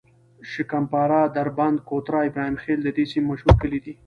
شکم پاره، دربند، کوتره، ابراهیم خیل د دې سیمې مشهور کلي دي.